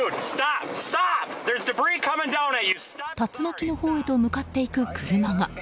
竜巻のほうへと向かっていく車が。